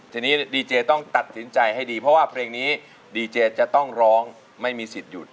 ทีนี้ดีเจต้องตัดสินใจให้ดีเพราะว่าเพลงนี้ดีเจจะต้องร้องไม่มีสิทธิ์หยุด